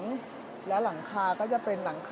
เดี๋ยวจะให้ดูว่าค่ายมิซูบิชิเป็นอะไรนะคะ